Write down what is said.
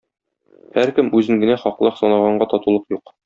Һәркем үзен генә хаклы санаганга татулык юк.